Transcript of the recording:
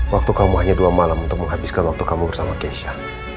waktu kamu hanya dua malam untuk menghabiskan waktu kamu bersama keisha